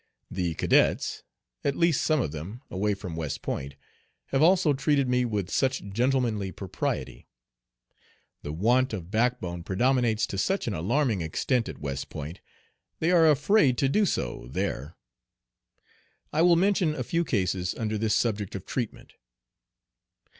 The cadets, at least some of them, away from West Point, have also treated me with such gentlemanly propriety. The want of backbone predominates to such an alarming extent at West Point they are afraid to do so there. I will mention a few cases under this subject of treatment.